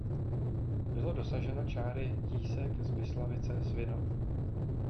Bylo dosaženo čáry Tísek–Zbyslavice–Svinov.